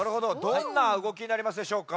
どんなうごきになりますでしょうか？